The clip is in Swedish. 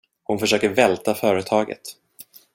Hon försöker välta företaget.